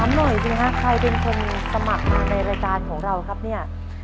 หน่อยสิฮะใครเป็นคนสมัครมาในรายการของเราครับเนี่ย